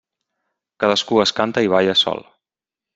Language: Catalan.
Cadascú es canta i balla sol.